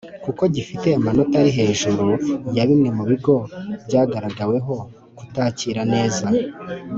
kuko gifite amanota ari hejuru ya Bimwe mu bigo byagaragaweho kutakira neza